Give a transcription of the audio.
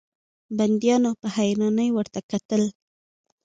بنديانو په حيرانۍ ورته کتل.